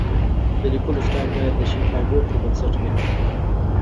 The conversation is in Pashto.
د لیکلو سټایل باید د شیکاګو پر بنسټ وي.